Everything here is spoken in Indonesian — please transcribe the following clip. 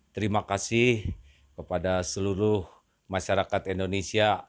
terima kasih kepada seluruh masyarakat indonesia